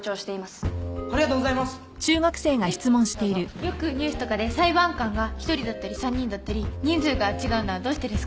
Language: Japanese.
よくニュースとかで裁判官が１人だったり３人だったり人数が違うのはどうしてですか？